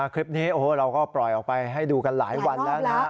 คลิปนี้เราก็ปล่อยออกไปให้ดูกันหลายวันแล้วนะ